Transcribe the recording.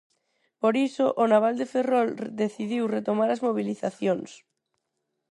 Por iso, o naval de Ferrol decidiu retomar as mobilizacións.